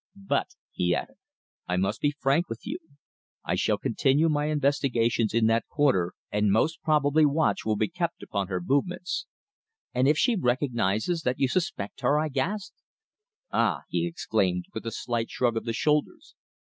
But," he added, "I must be frank with you. I shall continue my investigations in that quarter, and most probably watch will be kept upon her movements." "And if she recognises that you suspect her?" I gasped. "Ah!" he exclaimed, with a slight shrug of the shoulders.